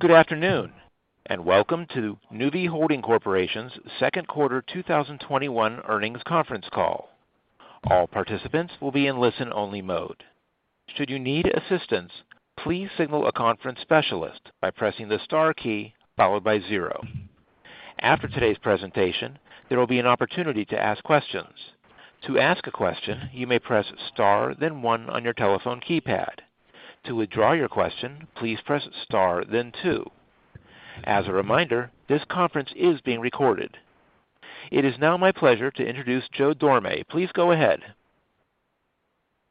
Good afternoon, and welcome to Nuvve Holding Corp.'s second quarter 2021 earnings conference call. All participants will be in listen-only mode. Should you need assistance, please signal a conference specialist by pressing the star key followed by zero. After today's presentation, there will be an opportunity to ask questions. To ask a question, you may press star then one on your telephone keypad. To withdraw your question, please press star then two. As a reminder, this conference is being recorded. It is now my pleasure to introduce Joe Dorame. Please go ahead.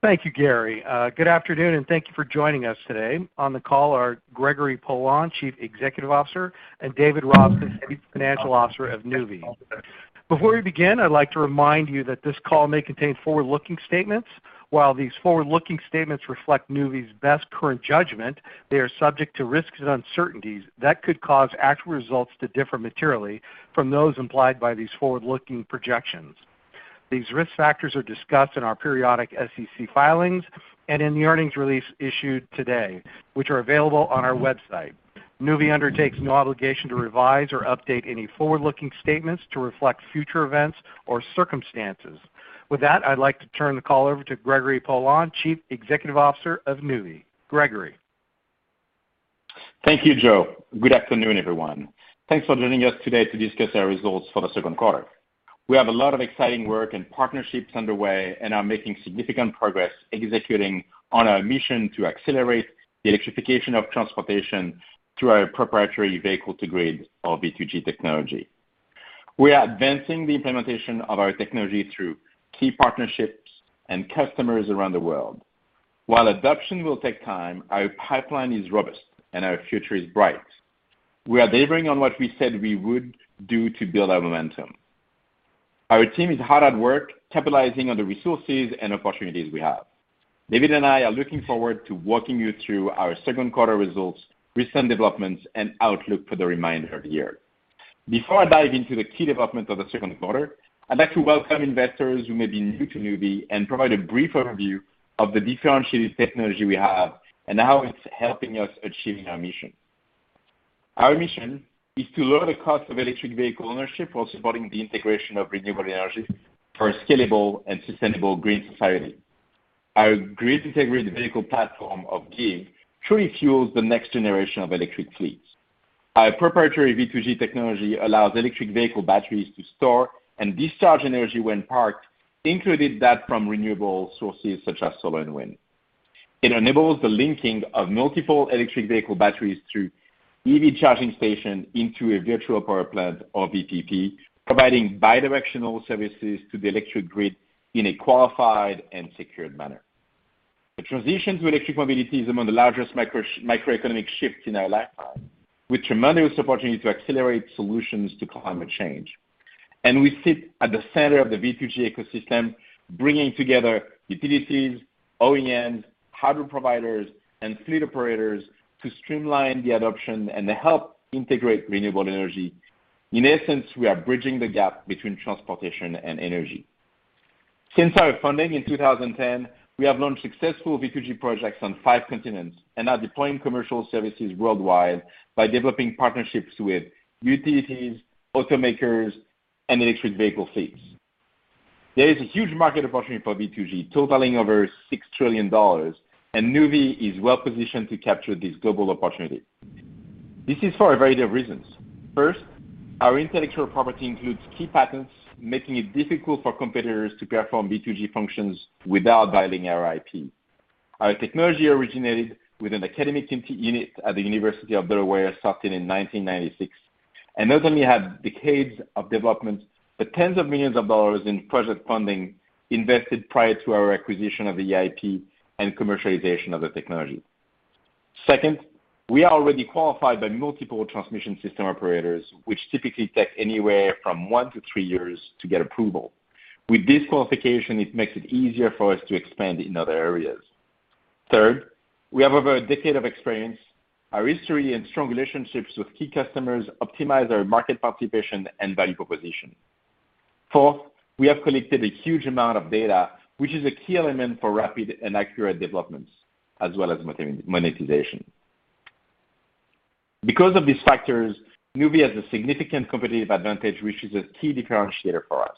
Thank you, Gary. Good afternoon, thank you for joining us today. On the call are Gregory Poilasne, Chief Executive Officer, and David Robson, Chief Financial Officer of Nuvve. Before we begin, I'd like to remind you that this call may contain forward-looking statements. While these forward-looking statements reflect Nuvve's best current judgment, they are subject to risks and uncertainties that could cause actual results to differ materially from those implied by these forward-looking projections. These risk factors are discussed in our periodic SEC filings and in the earnings release issued today, which are available on our website. Nuvve undertakes no obligation to revise or update any forward-looking statements to reflect future events or circumstances. With that, I'd like to turn the call over to Gregory Poilasne, Chief Executive Officer of Nuvve. Gregory? Thank you, Joe. Good afternoon, everyone. Thanks for joining us today to discuss our results for the second quarter. We have a lot of exciting work and partnerships underway and are making significant progress executing on our mission to accelerate the electrification of transportation through our proprietary vehicle-to-grid, or V2G, technology. We are advancing the implementation of our technology through key partnerships and customers around the world. While adoption will take time, our pipeline is robust, and our future is bright. We are delivering on what we said we would do to build our momentum. Our team is hard at work capitalizing on the resources and opportunities we have. David and I are looking forward to walking you through our second quarter results, recent developments, and outlook for the remainder of the year. Before I dive into the key developments of the second quarter, I'd like to welcome investors who may be new to Nuvve and provide a brief overview of the differentiated technology we have and how it's helping us achieving our mission. Our mission is to lower the cost of electric vehicle ownership while supporting the integration of renewable energy for a scalable and sustainable green society. Our Grid Integrated Vehicle platform or GIVe truly fuels the next generation of electric fleets. Our proprietary V2G technology allows electric vehicle batteries to store and discharge energy when parked, including that from renewable sources such as solar and wind. It enables the linking of multiple electric vehicle batteries through EV charging station into a virtual power plant, or VPP, providing bidirectional services to the electric grid in a qualified and secured manner. The transition to electric mobility is among the largest microeconomic shifts in our lifetime, with tremendous opportunity to accelerate solutions to climate change. We sit at the center of the V2G ecosystem, bringing together utilities, OEMs, hardware providers, and fleet operators to streamline the adoption and to help integrate renewable energy. In essence, we are bridging the gap between transportation and energy. Since our founding in 2010, we have launched successful V2G projects on five continents and are deploying commercial services worldwide by developing partnerships with utilities, automakers, and electric vehicle fleets. There is a huge market opportunity for V2G, totaling over $6 trillion. Nuvve is well-positioned to capture this global opportunity. This is for a variety of reasons. First, our intellectual property includes key patents, making it difficult for competitors to perform V2G functions without violating our IP. Our technology originated with an academic unit at the University of Delaware, starting in 1996, not only have decades of development, but tens of millions of dollars in project funding invested prior to our acquisition of the IP and commercialization of the technology. Second, we are already qualified by multiple transmission system operators, which typically take anywhere from one to three years to get approval. With this qualification, it makes it easier for us to expand in other areas. Third, we have over a decade of experience. Our history and strong relationships with key customers optimize our market participation and value proposition. Fourth, we have collected a huge amount of data, which is a key element for rapid and accurate developments, as well as monetization. Because of these factors, Nuvve has a significant competitive advantage, which is a key differentiator for us.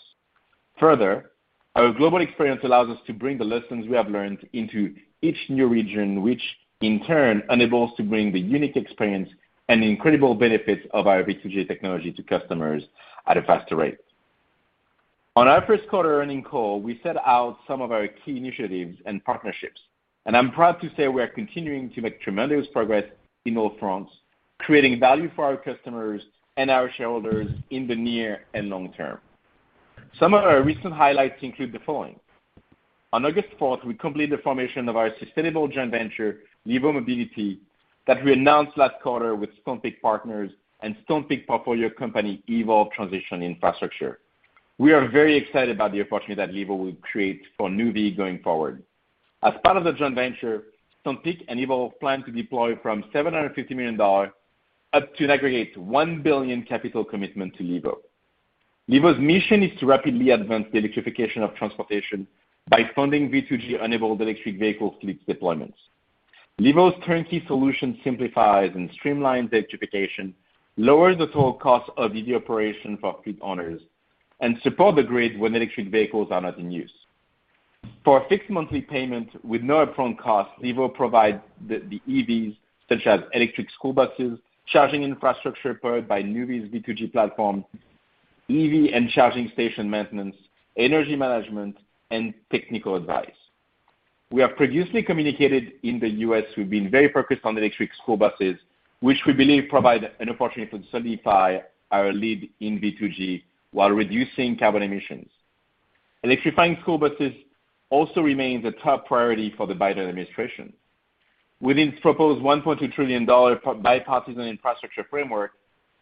Further, our global experience allows us to bring the lessons we have learned into each new region, which in turn enables to bring the unique experience and the incredible benefits of our V2G technology to customers at a faster rate. On our first quarter earning call, we set out some of our key initiatives and partnerships, and I'm proud to say we are continuing to make tremendous progress in all fronts, creating value for our customers and our shareholders in the near and long term. Some of our recent highlights include the following. On August 4th, we completed the formation of our sustainable joint venture, Levo Mobility, that we announced last quarter with Stonepeak Partners and Stonepeak portfolio company, Evolve Transition Infrastructure. We are very excited about the opportunity that Levo will create for Nuvve going forward. As part of the joint venture, Stonepeak and Evolve plan to deploy from $750 million up to an aggregate $1 billion capital commitment to Levo. Levo's mission is to rapidly advance the electrification of transportation by funding V2G-enabled electric vehicle fleet deployments. Levo's turnkey solution simplifies and streamlines electrification, lowers the total cost of EV operation for fleet owners, and supports the grid when electric vehicles are not in use. For a fixed monthly payment with no upfront cost, Levo provide the EVs, such as electric school buses, charging infrastructure powered by Nuvve's V2G platform, EV and charging station maintenance, energy management, and technical advice. We have previously communicated in the U.S., we've been very focused on electric school buses, which we believe provide an opportunity to solidify our lead in V2G while reducing carbon emissions. Electrifying school buses also remains a top priority for the Biden administration. Within its proposed $1.2 trillion bipartisan infrastructure framework,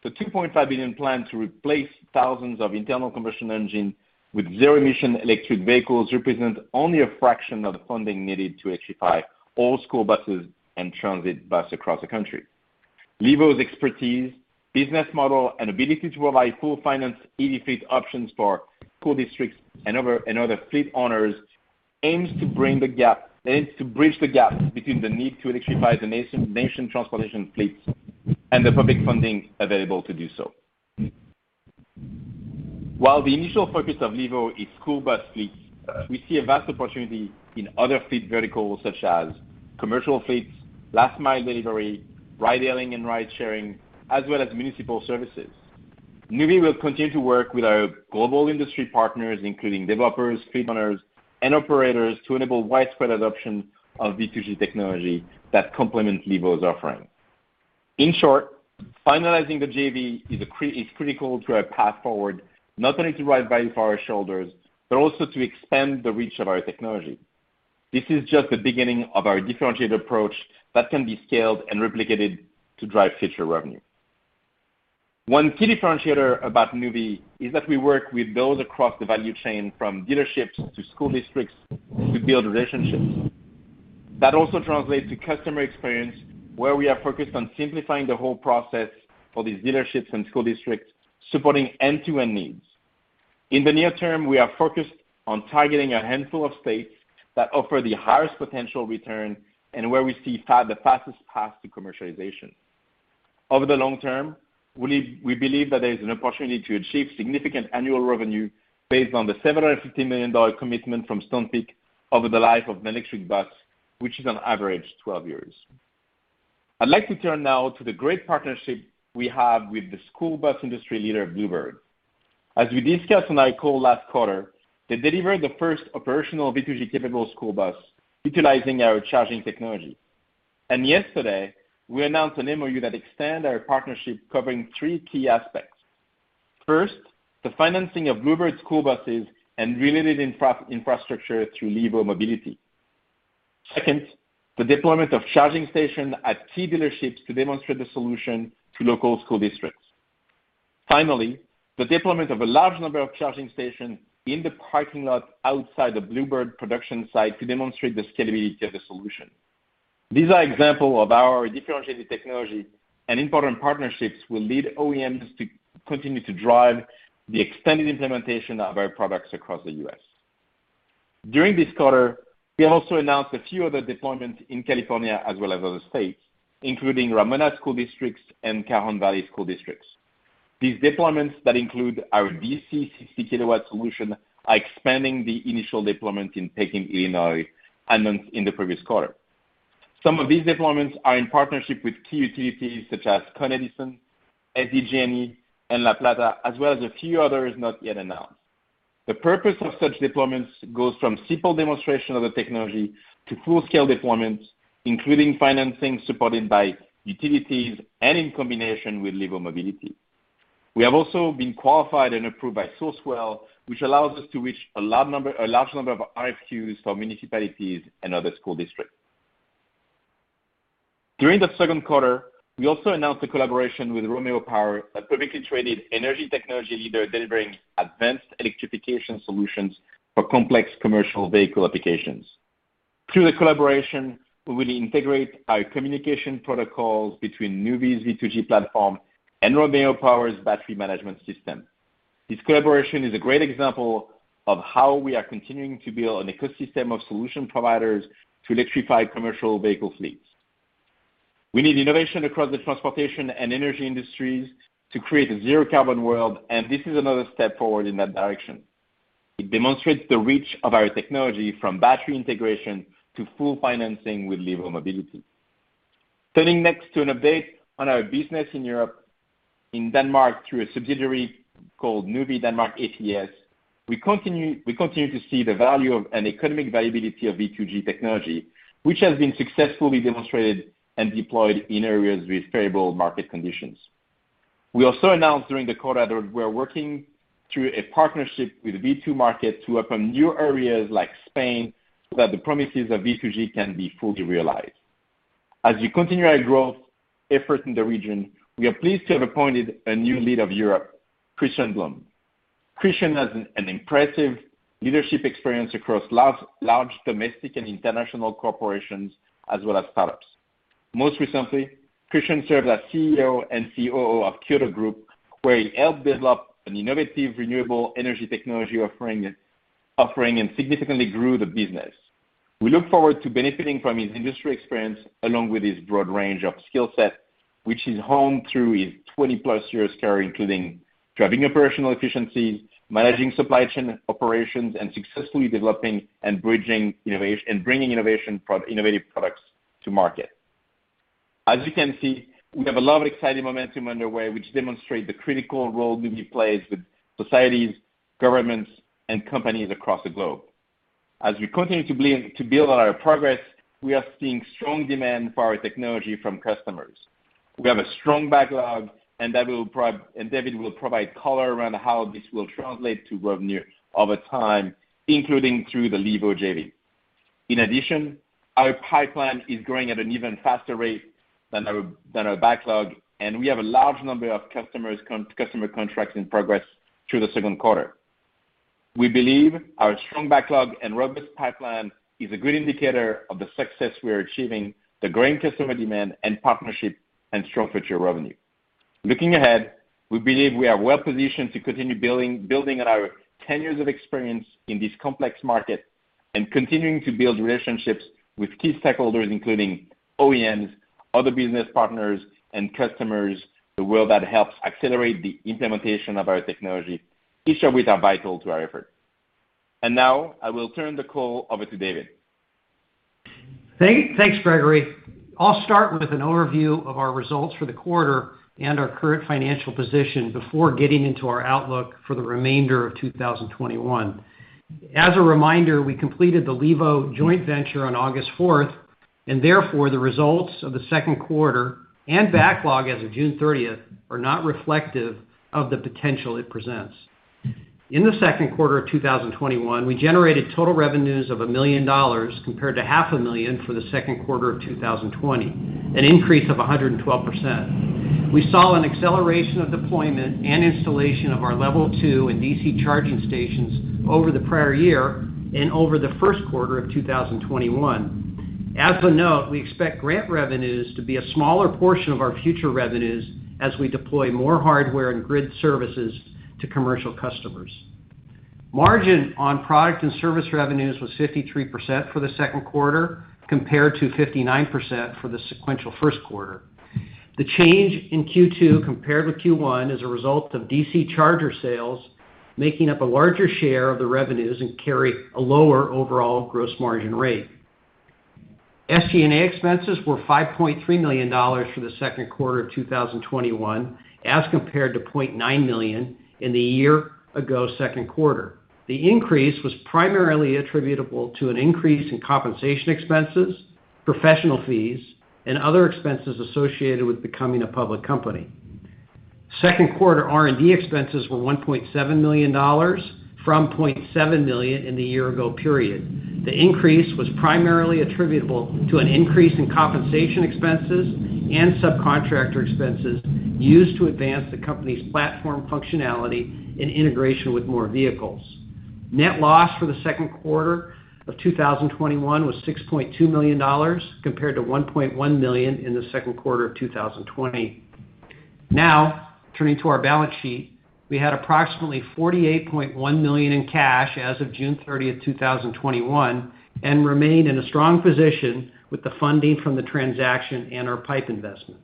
the $2.5 billion plan to replace thousands of internal combustion engine with zero-emission electric vehicles represents only a fraction of the funding needed to electrify all school buses and transit buses across the country. Levo's expertise, business model, and ability to provide full finance EV fleet options for school districts and other fleet owners aims to bridge the gap between the need to electrify the nation transportation fleets, and the public funding available to do so. While the initial focus of Levo is school bus fleets, we see a vast opportunity in other fleet verticals such as commercial fleets, last mile delivery, ride-hailing and ride-sharing, as well as municipal services. Nuvve will continue to work with our global industry partners, including developers, fleet owners, and operators, to enable widespread adoption of V2G technology that complements Levo's offering. In short, finalizing the JV is critical to our path forward, not only to drive value for our shareholders, but also to expand the reach of our technology. This is just the beginning of our differentiated approach that can be scaled and replicated to drive future revenue. One key differentiator about Nuvve is that we work with those across the value chain, from dealerships to school districts, to build relationships. That also translates to customer experience, where we are focused on simplifying the whole process for these dealerships and school districts supporting end-to-end needs. In the near term, we are focused on targeting a handful of states that offer the highest potential return and where we see the fastest path to commercialization. Over the long term, we believe that there is an opportunity to achieve significant annual revenue based on the $750 million commitment from Stonepeak over the life of an electric bus, which is on average 12 years. I'd like to turn now to the great partnership we have with the school bus industry leader, Blue Bird. As we discussed on our call last quarter, they delivered the first operational V2G-capable school bus utilizing our charging technology. Yesterday, we announced an MOU that extend our partnership covering three key aspects. First, the financing of Blue Bird's school buses and related infrastructure through Levo Mobility. Second, the deployment of charging station at key dealerships to demonstrate the solution to local school districts. Finally, the deployment of a large number of charging stations in the parking lot outside the Blue Bird production site to demonstrate the scalability of the solution. These are examples of our differentiated technology and important partnerships will lead OEMs to continue to drive the extended implementation of our products across the U.S. During this quarter, we also announced a few other deployments in California as well as other states, including Ramona Unified School District and Cajon Valley Union School District. These deployments that include our DC 60 kW solution are expanding the initial deployment in Pekin, Illinois, announced in the previous quarter. Some of these deployments are in partnership with key utilities such as Con Edison, SDG&E, and La Plata, as well as a few others not yet announced. The purpose of such deployments goes from simple demonstration of the technology to full-scale deployments, including financing supported by utilities and in combination with Levo Mobility. We have also been qualified and approved by Sourcewell, which allows us to reach a large number of RFQs for municipalities and other school districts. During the second quarter, we also announced a collaboration with Romeo Power, a publicly traded energy technology leader delivering advanced electrification solutions for complex commercial vehicle applications. Through the collaboration, we will integrate our communication protocols between Nuvve's V2G platform and Romeo Power's battery management system. This collaboration is a great example of how we are continuing to build an ecosystem of solution providers to electrify commercial vehicle fleets. We need innovation across the transportation and energy industries to create a zero-carbon world, and this is another step forward in that direction. It demonstrates the reach of our technology, from battery integration to full financing with Levo Mobility. Turning next to an update on our business in Europe. In Denmark, through a subsidiary called Nuvve Denmark ApS, we continue to see the value of and economic viability of V2G technology, which has been successfully demonstrated and deployed in areas with favorable market conditions. We also announced during the quarter that we are working through a partnership with V2Market to open new areas like Spain, so that the promises of V2G can be fully realized. As we continue our growth efforts in the region, we are pleased to have appointed a new lead of Europe, Christian Blom. Christian has an impressive leadership experience across large domestic and international corporations as well as startups. Most recently, Christian served as CEO and COO of Kyoto Group, where he helped develop an innovative renewable energy technology offering and significantly grew the business. We look forward to benefiting from his industry experience, along with his broad range of skill set, which is honed through his 20+ years career, including driving operational efficiencies, managing supply chain operations, and successfully developing and bringing innovative products to market. As you can see, we have a lot of exciting momentum underway, which demonstrate the critical role Nuvve plays with societies, governments, and companies across the globe. As we continue to build on our progress, we are seeing strong demand for our technology from customers. We have a strong backlog, and David will provide color around how this will translate to revenue over time, including through the Levo JV. In addition, our pipeline is growing at an even faster rate than our backlog, and we have a large number of customer contracts in progress through the second quarter. We believe our strong backlog and robust pipeline is a good indicator of the success we are achieving, the growing customer demand and partnership, and strong future revenue. Looking ahead, we believe we are well-positioned to continue building on our 10 years of experience in this complex market and continuing to build relationships with key stakeholders, including OEMs, other business partners and customers, the world that helps accelerate the implementation of our technology, each of which are vital to our effort. Now I will turn the call over to David. Thanks, Gregory. I'll start with an overview of our results for the quarter and our current financial position before getting into our outlook for the remainder of 2021. As a reminder, we completed the Levo joint venture on August 4th, and therefore, the results of the second quarter and backlog as of June 30th are not reflective of the potential it presents. In the second quarter of 2021, we generated total revenues of a million dollars compared to half a million for the second quarter of 2020, an increase of 112%. We saw an acceleration of deployment and installation of our Level 2 and DC charging stations over the prior year and over the first quarter of 2021. As a note, we expect grant revenues to be a smaller portion of our future revenues as we deploy more hardware and grid services to commercial customers. Margin on product and service revenues was 53% for the second quarter, compared to 59% for the sequential first quarter. The change in Q2 compared with Q1 is a result of DC charger sales, making up a larger share of the revenues and carry a lower overall gross margin rate. SG&A expenses were $5.3 million for the second quarter of 2021 as compared to $0.9 million in the year-ago second quarter. The increase was primarily attributable to an increase in compensation expenses, professional fees, and other expenses associated with becoming a public company. Second quarter R&D expenses were $1.7 million from $0.7 million in the year-ago period. The increase was primarily attributable to an increase in compensation expenses and subcontractor expenses used to advance the company's platform functionality and integration with more vehicles. Net loss for the second quarter of 2021 was $6.2 million, compared to $1.1 million in the second quarter of 2020. Turning to our balance sheet, we had approximately $48.1 million in cash as of June 30th, 2021, and remained in a strong position with the funding from the transaction and our PIPE investment.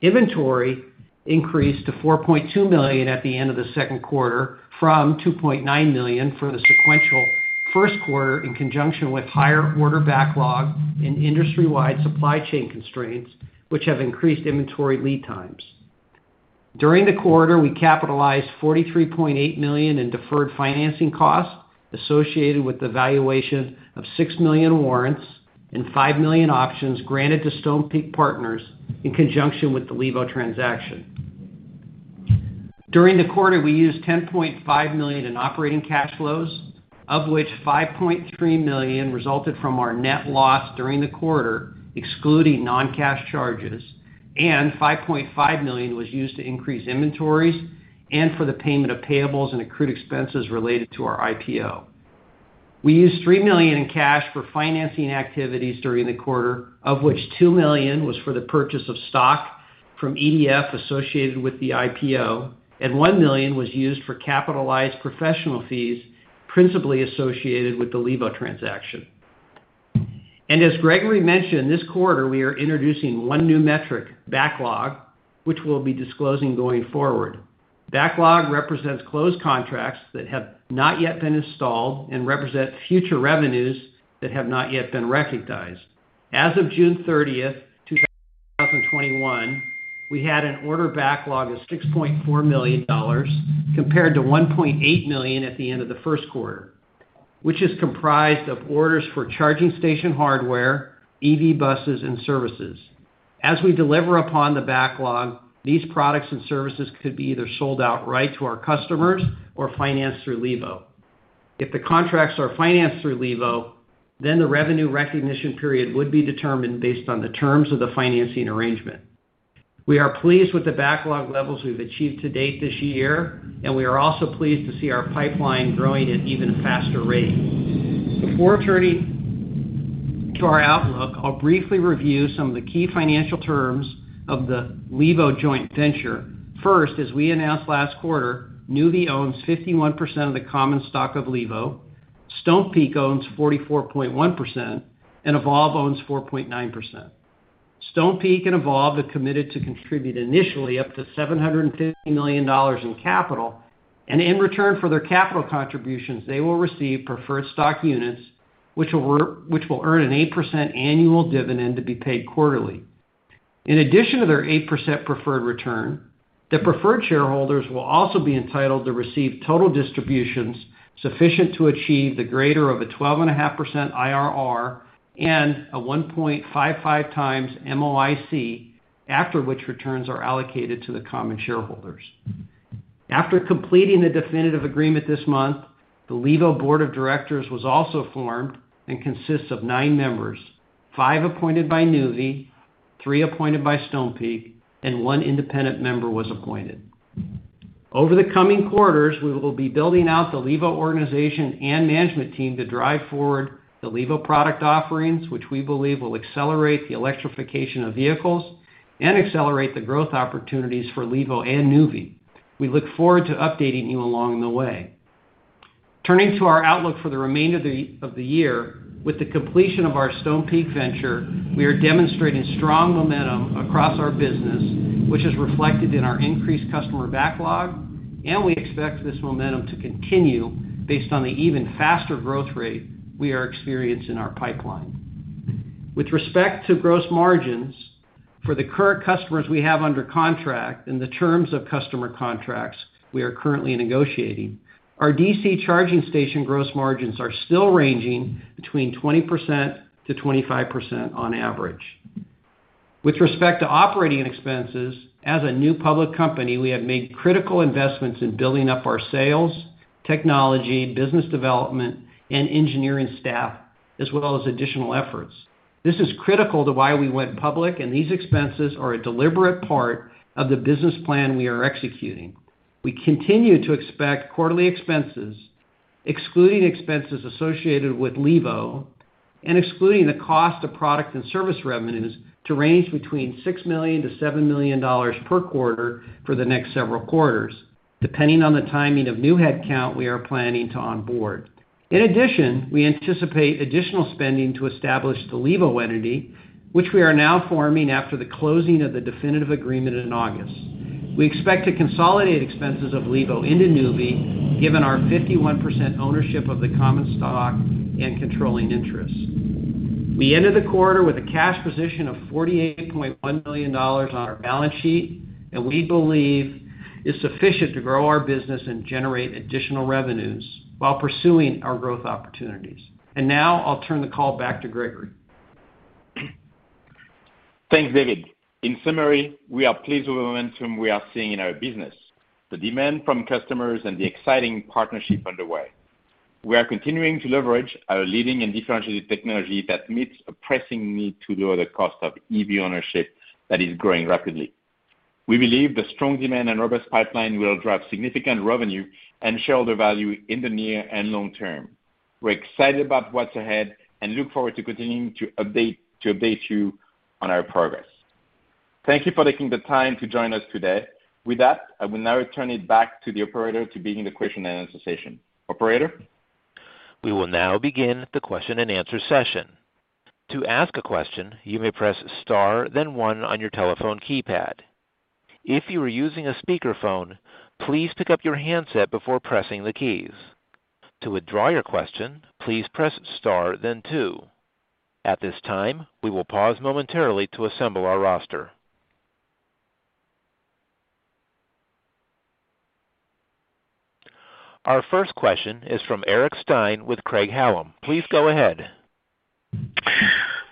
Inventory increased to $4.2 million at the end of the second quarter from $2.9 million for the sequential first quarter, in conjunction with higher order backlog and industry-wide supply chain constraints, which have increased inventory lead times. During the quarter, we capitalized $43.8 million in deferred financing costs associated with the valuation of 6 million warrants and 5 million options granted to Stonepeak Partners in conjunction with the Levo transaction. During the quarter, we used $10.5 million in operating cash flows, of which $5.3 million resulted from our net loss during the quarter, excluding non-cash charges, and $5.5 million was used to increase inventories and for the payment of payables and accrued expenses related to our IPO. We used $3 million in cash for financing activities during the quarter, of which $2 million was for the purchase of stock from EDF associated with the IPO, and $1 million was used for capitalized professional fees, principally associated with the Levo transaction. As Gregory mentioned, this quarter, we are introducing one new metric, backlog, which we will be disclosing going forward. Backlog represents closed contracts that have not yet been installed and represent future revenues that have not yet been recognized. As of June 30th 2021, we had an order backlog of $6.4 million compared to $1.8 million at the end of the first quarter, which is comprised of orders for charging station hardware, EV buses, and services. As we deliver upon the backlog, these products and services could be either sold outright to our customers or financed through Levo. If the contracts are financed through Levo, the revenue recognition period would be determined based on the terms of the financing arrangement. We are pleased with the backlog levels we've achieved to date this year, and we are also pleased to see our pipeline growing at an even faster rate. Before turning to our outlook, I'll briefly review some of the key financial terms of the Levo joint venture. First, as we announced last quarter, Nuvve owns 51% of the common stock of Levo, Stonepeak owns 44.1%, and Evolve owns 4.9%. Stonepeak and Evolve have committed to contribute initially up to $750 million in capital, and in return for their capital contributions they will receive preferred stock units, which will earn an 8% annual dividend to be paid quarterly. In addition to their 8% preferred return, the preferred shareholders will also be entitled to receive total distributions sufficient to achieve the greater of a 12.5% IRR and a 1.55 times MOIC, after which returns are allocated to the common shareholders. After completing the definitive agreement this month, the Levo board of directors was also formed and consists of nine members, five appointed by Nuvve, three appointed by Stonepeak, and one independent member was appointed. Over the coming quarters, we will be building out the Levo organization and management team to drive forward the Levo product offerings, which we believe will accelerate the electrification of vehicles and accelerate the growth opportunities for Levo and Nuvve. We look forward to updating you along the way. Turning to our outlook for the remainder of the year, with the completion of our Stonepeak venture, we are demonstrating strong momentum across our business, which is reflected in our increased customer backlog. We expect this momentum to continue based on the even faster growth rate we are experiencing in our pipeline. With respect to gross margins, for the current customers we have under contract and the terms of customer contracts we are currently negotiating, our DC charging station gross margins are still ranging between 20%-25% on average. With respect to operating expenses, as a new public company, we have made critical investments in building up our sales, technology, business development, and engineering staff, as well as additional efforts. This is critical to why we went public, and these expenses are a deliberate part of the business plan we are executing. We continue to expect quarterly expenses, excluding expenses associated with Levo and excluding the cost of product and service revenues, to range between $6 million-$7 million per quarter for the next several quarters, depending on the timing of new headcount we are planning to onboard. In addition, we anticipate additional spending to establish the Levo entity, which we are now forming after the closing of the definitive agreement in August. We expect to consolidate expenses of Levo into Nuvve, given our 51% ownership of the common stock and controlling interest. We ended the quarter with a cash position of $48.1 million on our balance sheet, we believe it's sufficient to grow our business and generate additional revenues while pursuing our growth opportunities. Now I'll turn the call back to Gregory. Thanks, David. In summary, we are pleased with the momentum we are seeing in our business, the demand from customers, and the exciting partnership underway. We are continuing to leverage our leading and differentiated technology that meets a pressing need to lower the cost of EV ownership that is growing rapidly. We believe the strong demand and robust pipeline will drive significant revenue and shareholder value in the near and long term. We're excited about what's ahead and look forward to continuing to update you on our progress. Thank you for taking the time to join us today. With that, I will now return it back to the operator to begin the question and answer session. Operator? We will now begin the question and answer session. To ask a question, you may press star then one on your telephone keypad. If you are using a speakerphone, please pick up your handset before pressing the keys. To withdraw your question, please press star then two. At this time, we will pause momentarily to assemble our roster. Our first question is from Eric Stine with Craig-Hallum. Please go ahead.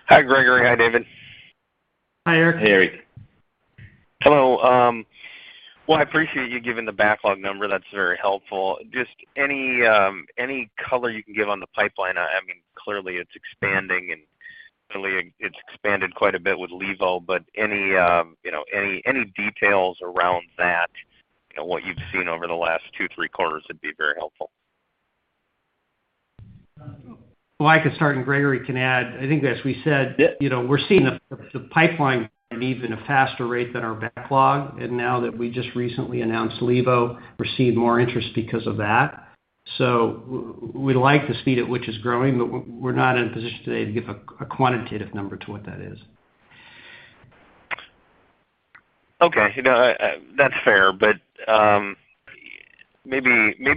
Hi, Gregory. Hi, David. Hi, Eric. Hey, Eric. Hello. Well, I appreciate you giving the backlog number. That's very helpful. Just any color you can give on the pipeline. Clearly, it's expanding, and clearly it's expanded quite a bit with Levo, but any details around that and what you've seen over the last two, three quarters would be very helpful. Well, I can start, and Gregory can add. I think as we said, we're seeing the pipeline grow at an even faster rate than our backlog. Now that we just recently announced Levo, received more interest because of that. We like the speed at which it's growing, but we're not in a position today to give a quantitative number to what that is. Okay. That's fair. Maybe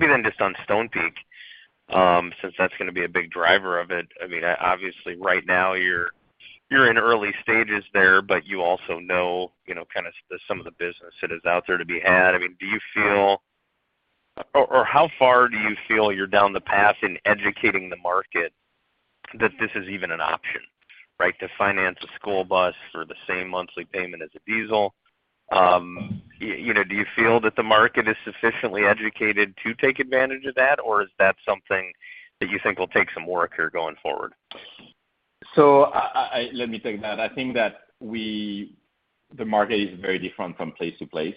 then just on Stonepeak, since that's going to be a big driver of it. Obviously, right now you're in early stages there, but you also know some of the business that is out there to be had. How far do you feel you're down the path in educating the market that this is even an option, to finance a school bus for the same monthly payment as a diesel? Do you feel that the market is sufficiently educated to take advantage of that, or is that something that you think will take some work here going forward? Let me take that. I think that the market is very different from place to place.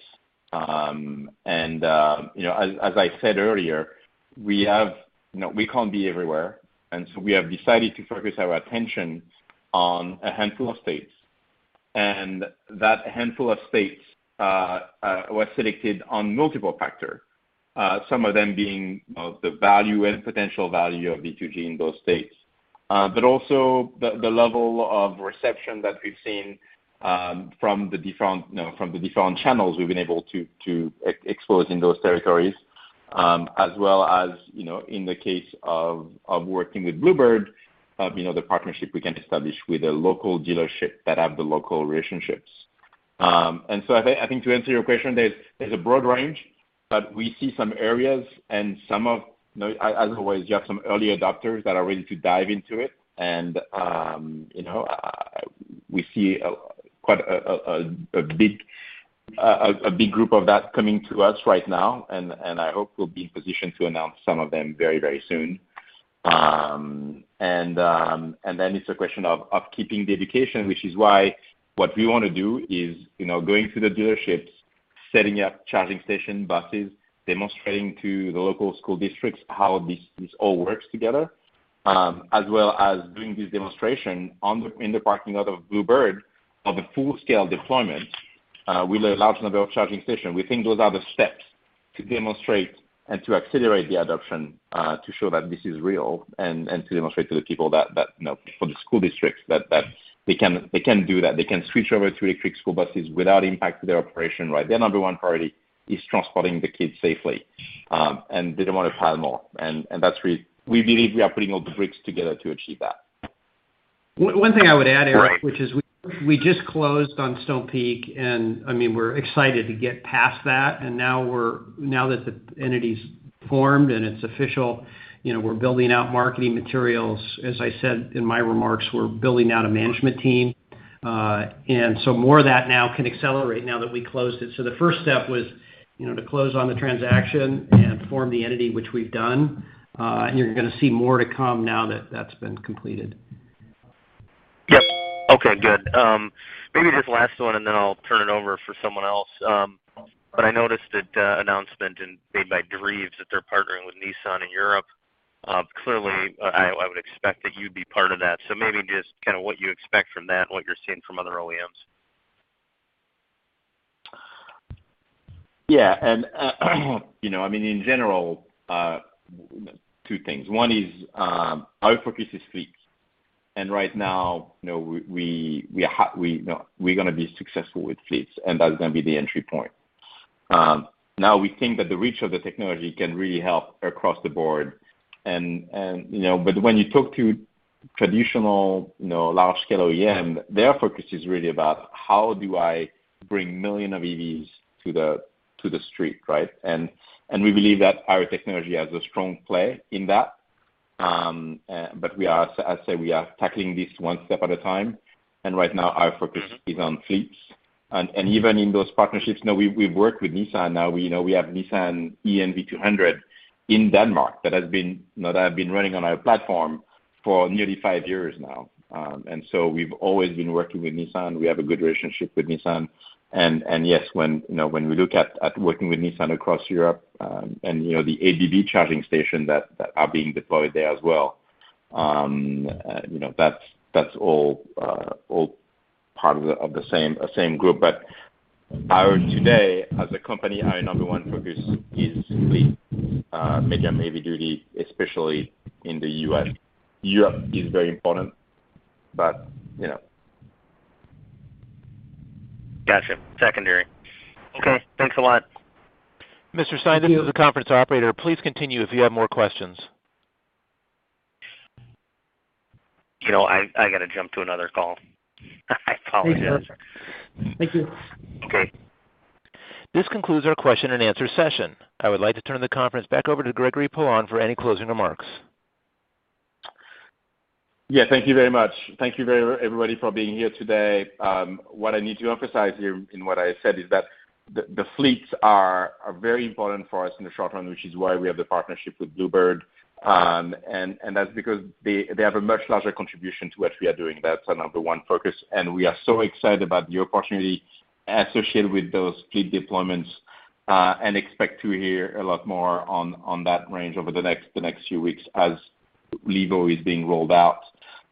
As I said earlier, we can't be everywhere, and so we have decided to focus our attention on a handful of states. That handful of states was selected on multiple factor, some of them being the value and potential value of V2G in those states. Also, the level of reception that we've seen from the different channels we've been able to expose in those territories. As well as in the case of working with Blue Bird, the partnership we can establish with the local dealership that have the local relationships. I think to answer your question, there's a broad range, but we see some areas and some of, as always, you have some early adopters that are ready to dive into it. We see quite a big group of that coming to us right now, and I hope we'll be in position to announce some of them very, very soon. Then it's a question of keeping the education, which is why what we want to do is going to the dealerships, setting up charging station buses, demonstrating to the local school districts how this all works together. As well as doing this demonstration in the parking lot of Blue Bird on the full-scale deployment with a large number of charging station. We think those are the steps to demonstrate and to accelerate the adoption to show that this is real, and to demonstrate to the people that for the school districts, that they can do that. They can switch over to electric school buses without impact to their operation. Their number one priority is transporting the kids safely, and they don't want to pile more. That's we believe we are putting all the bricks together to achieve that. One thing I would add, Eric, which is we just closed on Stonepeak, and we're excited to get past that. Now that the entity's formed and it's official, we're building out marketing materials. As I said in my remarks, we're building out a management team. More of that now can accelerate now that we closed it. The first step was to close on the transaction and form the entity, which we've done. You're going to see more to come now that that's been completed. Yep. Okay, good. Maybe just last one, and then I'll turn it over for someone else. I noticed that announcement made by Dreev that they're partnering with Nissan in Europe. Clearly, I would expect that you'd be part of that. Maybe just what you expect from that and what you're seeing from other OEMs. Yeah. In general, two things. One is our focus is fleets. Right now, we're going to be successful with fleets, and that is going to be the entry point. Now we think that the reach of the technology can really help across the board. When you talk to traditional large-scale OEM, their focus is really about how do I bring million of EVs to the street, right? We believe that our technology has a strong play in that. As I said, we are tackling this one step at a time, and right now our focus is on fleets. Even in those partnerships, we've worked with Nissan now. We have Nissan e-NV200 in Denmark that have been running on our platform for nearly five years now. We've always been working with Nissan. We have a good relationship with Nissan. Yes, when we look at working with Nissan across Europe, and the ABB charging station that are being deployed there as well, that's all part of the same group. Today, as a company, our number one focus is fleet, medium, heavy duty, especially in the U.S. Europe is very important, but you know. Got you. Secondary. Okay. Thanks a lot. Mr. Stine, this is the conference operator. Please continue if you have more questions. I got to jump to another call. I apologize. Thank you. Okay. This concludes our question and answer session. I would like to turn the conference back over to Gregory Poilasne for any closing remarks. Yeah, thank you very much. Thank you everybody for being here today. What I need to emphasize here in what I said is that the fleets are very important for us in the short run, which is why we have the partnership with Blue Bird. That's because they have a much larger contribution to what we are doing. That's our number one focus, and we are so excited about the opportunity associated with those fleet deployments, and expect to hear a lot more on that range over the next few weeks as Levo is being rolled out.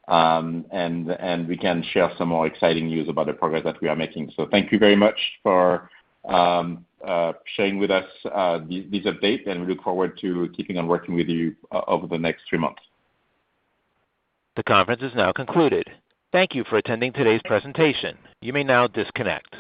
We can share some more exciting news about the progress that we are making. Thank you very much for sharing with us this update, and we look forward to keeping on working with you over the next three months. The conference is now concluded. Thank you for attending today's presentation. You may now disconnect.